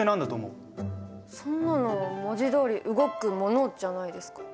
そんなの文字どおり動くものじゃないですか？